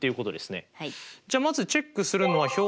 じゃあまずチェックするのは表の一番上の行